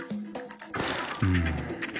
うん。